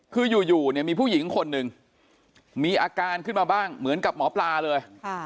คืออยู่เนี่ยมีผู้หญิงคนหนึ่งมีอาการขึ้นมาบ้างเหมือนกับหมอปลาเลย